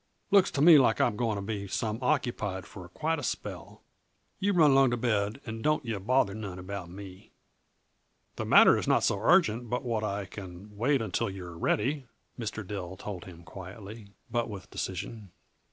Looks to me like I'm going to be some occupied for quite a spell. You run along to bed and don't yuh bother none about me." "The matter is not so urgent but what I can wait until you are ready," Mr. Dill told him quietly, but with decision.